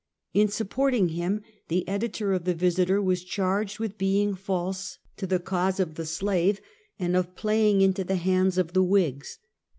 In supporting him the editor of the Visiter was charged with being false to the cause of 122 Half a Century. the slave, and of playing into the hands of the Whigs.